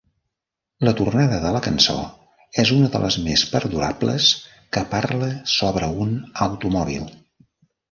La tornada de la cançó és una de les més perdurables que parla sobre un automòbil.